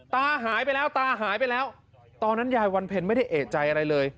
ตาหายไปแล้วตาหายไปแล้วตอนนั้นยายวันเพ็ญไม่ได้เอกใจอะไรเลย